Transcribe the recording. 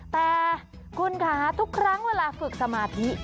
แต่คุณค่ะทุกครั้งเวลาฝึกสมาธิ